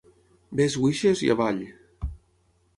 "Best wishes" i avall.